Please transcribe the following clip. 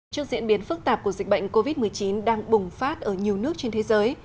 trước diễn biến phức tạp của dịch bệnh covid một mươi chín đang bùng phát ở nhiều nước trên thế giới